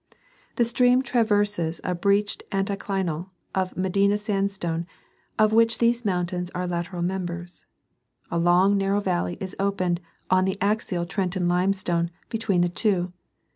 The stream traverses a breached anticlinal of Medina sandstone, of which these mountains are the lateral members. A long narrow valley is opened on the axial Trenton limestone between the two.